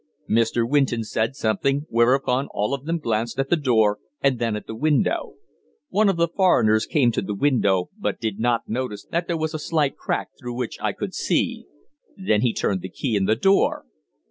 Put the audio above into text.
"Mr. Winton said something, whereupon all of them glanced at the door and then at the window. One of the foreigners came to the window, but did not notice that there was a slight crack through which I could see. Then he turned the key in the door.